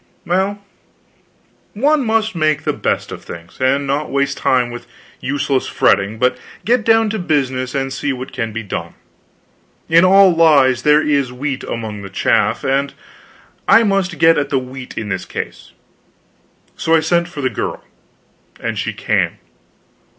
Well, one must make the best of things, and not waste time with useless fretting, but get down to business and see what can be done. In all lies there is wheat among the chaff; I must get at the wheat in this case: so I sent for the girl and she came.